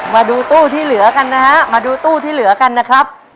มาดูตู้ที่เหลือกันนะฮะมาดูตู้ที่เหลือกันนะครับ